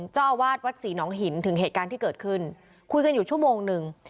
เจ้าอาวาสวัดศรีหนองหินถึงเหตุการณ์ที่เกิดขึ้นคุยกันอยู่ชั่วโมงนึง